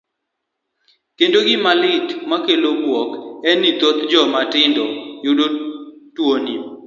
Kendo gima lit makelo buok en ni thoth joma tindo yudo tuoni.